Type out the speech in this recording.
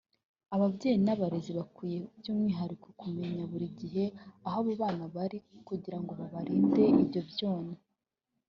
Ababayeyi n’abarezi bakwiye by’umwihariko kumenya buri gihe aho abana babo bari kugira ngo babarinde ibyo byonnyi